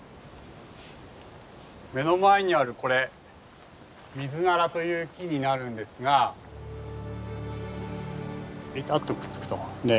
目の前にあるこれミズナラという木になるんですがベタッとくっつくと。